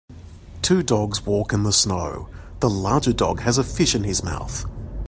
Two dogs walk in the snow, the larger dog has a fish in his mouth.